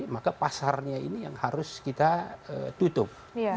maka pasarnya ini yang harus kita tutup